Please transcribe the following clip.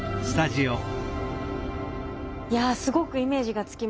いやすごくイメージがつきました。